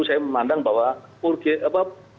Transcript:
saya memandang bahwa